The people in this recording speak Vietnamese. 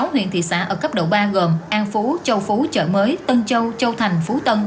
sáu huyện thị xã ở cấp độ ba gồm an phú châu phú chợ mới tân châu châu thành phú tân